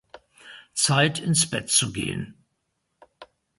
Zeit, ins Bett zu gehen.